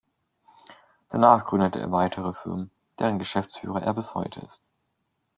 Danach gründete er weitere Firmen, deren Geschäftsführer er bis heute ist.